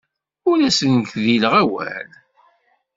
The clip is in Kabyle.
Ur asen-gdileɣ awal.